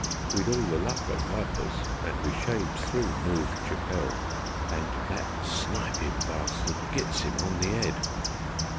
We'd all the luck at Wipers, and we shaved through Noove Chapelle, And ... that snipin' barstard gits 'im on the 'ead.